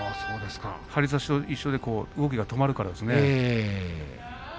張り差しかと一瞬、動きが止まるからですね。